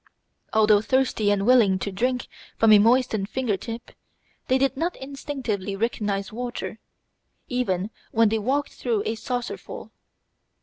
Although thirsty and willing to drink from a moistened finger tip, they did not instinctively recognize water, even when they walked through a saucerful.